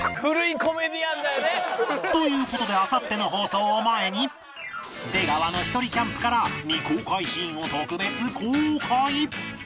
という事であさっての放送を前に出川のひとりキャンプから未公開シーンを特別公開！